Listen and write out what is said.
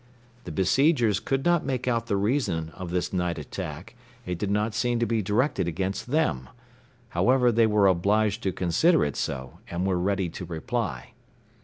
The besiegers could not make out the reason of this night attack; it did not seem to be directed against them. However, they were obliged to consider it so, and were ready to reply.